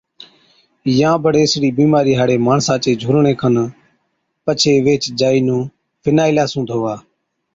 يان بڙي اِسڙِي بِيمارِي هاڙي ماڻسا چي جھُولڻي کن پڇي ويهچ جائِي نُون فِنائِيلا سُون ڌُووا